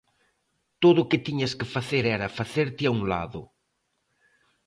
Todo o que tiñas que facer era facerte a un lado.